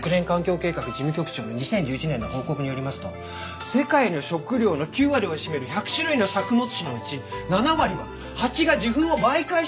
国連環境計画事務局長の２０１１年の報告によりますと世界の食料の９割を占める１００種類の作物種のうち７割は蜂が受粉を媒介してるとされてます。